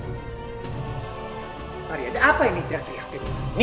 pak ria ada apa ini